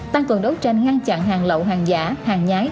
tăng cường đấu tranh ngăn chặn hàng lậu hàng giả hàng nhái